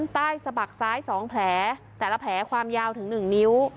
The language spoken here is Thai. ใต้สะบักซ้ายสองแผลแต่ละแผลความยาวถึงหนึ่งนิ้ว